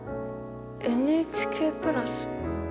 ＮＨＫプラス。